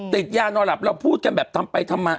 ติดยานอนหลับเราพูดกันแบบทำไปทำมา